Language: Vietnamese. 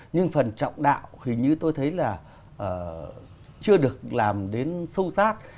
nhưng phần trọng đạo thì như tôi thấy là chưa được làm đến sâu sát